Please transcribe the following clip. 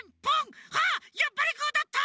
あやっぱりグーだった！